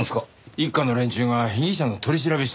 一課の連中が被疑者の取り調べしてる。